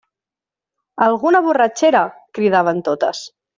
Alguna borratxera! –cridaven totes.